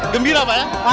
gembira pak ya